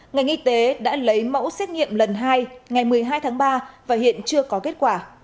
ngành y tế đã lấy mẫu xét nghiệm lần hai ngày một mươi hai tháng ba và hiện chưa có kết quả